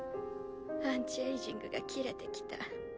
アンチエイジングが切れてきた。